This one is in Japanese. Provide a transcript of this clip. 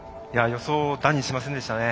予想だにしませんでしたね。